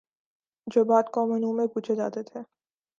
جو بت قوم نوح میں پوجے جاتے تھے